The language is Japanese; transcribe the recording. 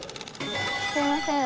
すいません。